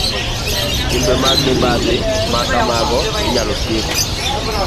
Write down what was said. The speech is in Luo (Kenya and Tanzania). Timbe mag mibadhi ma kamago inyalo tiek